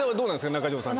中条さん。